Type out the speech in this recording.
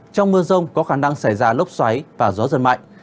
trong mưa rông có khả năng xảy ra lốc xoáy và gió giật mạnh